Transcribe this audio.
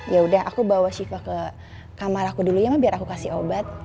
yaudah aku bawa siva ke kamar aku dulu ya mah biar aku kasih obat